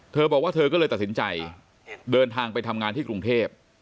เธอบอกว่าเธอก็เลยตัดสินใจเดินทางไปทำงานที่กรุงเทพ